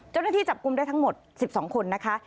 เจ้าหน้าที่จับกลุ่มได้ทั้งหมด๑๒คนนะคะ